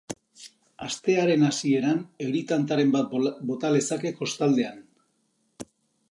Astearen hasieran euri tantaren bat bota lezake kostaldean.